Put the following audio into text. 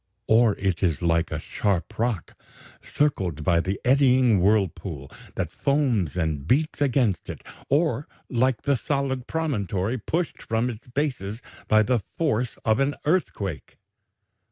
or it is like the sharp rock circled by the eddying whirlpool that foams and beats against it, or like the solid promontory pushed from its basis by the force of an earthquake."